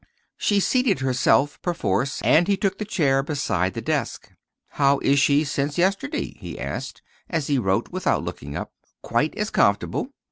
She seated herself perforce, and he took the chair beside the desk. "How is she since yesterday?" he asked, as he wrote, without looking up. "Quite as comfortable."